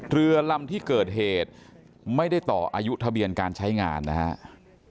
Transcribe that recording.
เรือลำที่เกิดเหตุไม่ได้ต่ออายุทะเบียนการใช้งานนะครับ